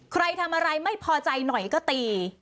ใครทำอะไรไม่พอใจหน่อยก็ตี